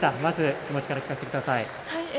気持ちから聞かせてください。